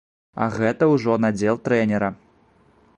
А гэта ўжо надзел трэнера.